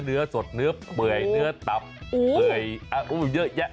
เนื้อสดเนื้อเปื่อยเนื้อตำเปื่อยเยอะแยะ